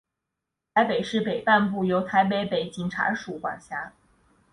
台北市北半部由台北北警察署管辖。